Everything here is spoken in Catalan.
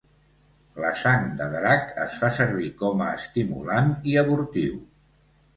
La sang de drac es fa servir com a estimulant i abortiu.